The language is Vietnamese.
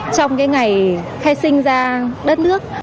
trong cái ngày khai sinh ra đất nước